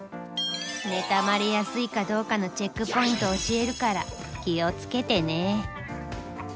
妬まれやすいかどうかのチェックポイント教えるから気をつけてね。